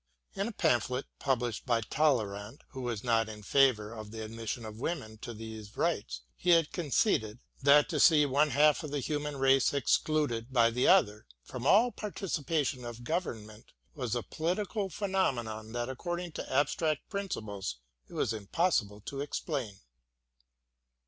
In a pamphlet published by Talleyrand, who was not in favour of the admission of women to these rights, he had conceded " that to see one half of the human race excluded by the other from all participation of government was a political phenomenon that according to abstract principles it was impossible to explain."